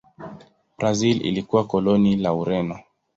Brazil ilikuwa koloni la Ureno.